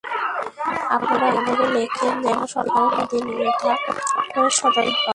আপনারা এমনভাবে লেখেন যেন সরকারের নীতিনির্ধারকেরা সদয় হন।